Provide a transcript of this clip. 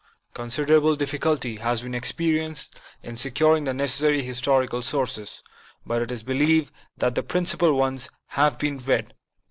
Considerable difficulty has been experienced in securing the necessary historical sources, but it is believed that the principal ones have been read.